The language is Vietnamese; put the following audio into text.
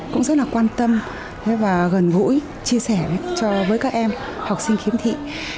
cũng rất là quan tâm và gần gũi chia sẻ với các em học sinh khiếm thị